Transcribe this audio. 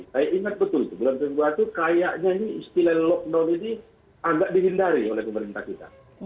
saya ingat betul bulan februari kayaknya ini istilah lockdown ini agak dihindari oleh pemerintah kita